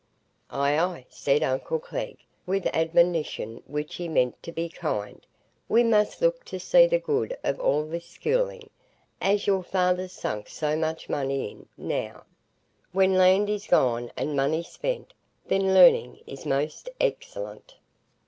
"Ay, ay," said uncle Glegg, with admonition which he meant to be kind, "we must look to see the good of all this schooling, as your father's sunk so much money in, now,— 'When land is gone and money's spent, Then learning is most excellent.